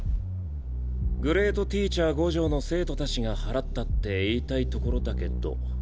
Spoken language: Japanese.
グレートティーチャーゴジョーの生徒たちが祓ったって言いたいところだけど。